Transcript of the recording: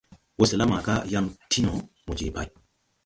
Wɔsɛla maaga yaŋ ti no, mo je pay.